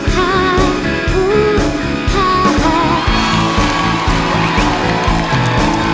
ฮู้ฮ่าฮ่า